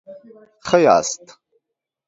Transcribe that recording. ښه یاست؟